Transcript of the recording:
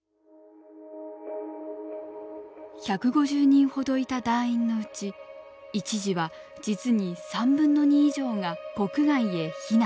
１５０人ほどいた団員のうち一時は実に３分の２以上が国外へ避難。